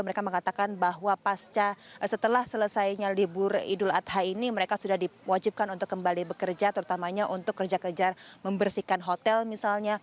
mereka mengatakan bahwa pasca setelah selesainya libur idul adha ini mereka sudah diwajibkan untuk kembali bekerja terutamanya untuk kerja kejar membersihkan hotel misalnya